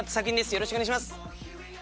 よろしくお願いします